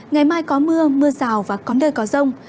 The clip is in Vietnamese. ngày mai có mưa mưa rào và có nơi có rông